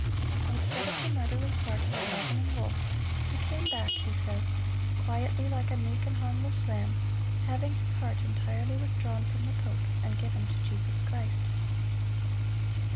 "Instead of the murderous heart of a ravening wolf, he came back," he says, "quietly, like a meek and harmless lamb, having his heart entirely withdrawn from the pope, and given to Jesus Christ."